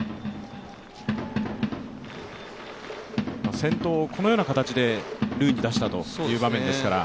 先頭をこのような形で塁に出したという場面ですから。